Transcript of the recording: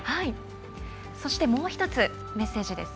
そしてもう１つ、メッセージです。